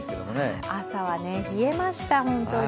朝は冷えました、本当に。